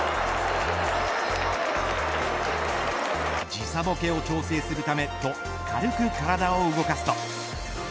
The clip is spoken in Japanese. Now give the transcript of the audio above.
時差ぼけを調整するためと軽く体を動かすと。